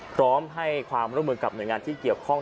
พร้อมให้ความร่วมมือกับหน่วยงานที่เกี่ยวข้อง